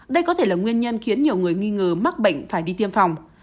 đây có thể là nguyên nhân khiến nhiều người nghi ngờ mắc bệnh phải đi tiêm phòng